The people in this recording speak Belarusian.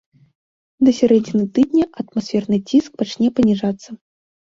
Да сярэдзіны тыдня атмасферны ціск пачне паніжацца.